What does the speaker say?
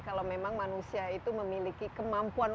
kalau memang manusia itu memiliki kemampuan